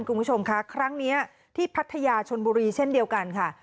คุณผู้ชมคะครั้งนี้ที่พัทยาชนบุรีเช่นเดียวกันค่ะ